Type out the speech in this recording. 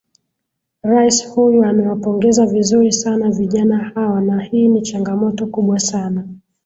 rais huyu amewapongeza vizuri sana vijana hawa na hii ni changamoto kubwa sana